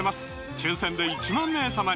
抽選で１万名様に！